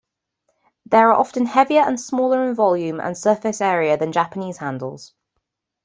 They are often heavier and smaller in volume and surface area than Japanese handles.